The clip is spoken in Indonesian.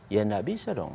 ya tidak bisa dong